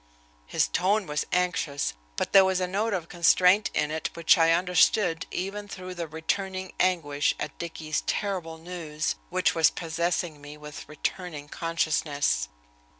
His tone was anxious, but there was a note of constraint in it, which I understood even through the returning anguish at Dicky's terrible news, which was possessing me with returning consciousness.